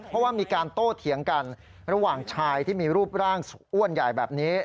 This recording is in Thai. เพราะว่ามีการโต้เถียงกันระหว่างชายที่มีรูปร่างอ้วนใหญ่แบบนี้